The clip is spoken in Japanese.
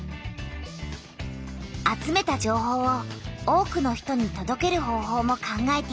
集めた情報を多くの人にとどける方ほうも考えている。